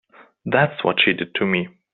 That's what she did to me.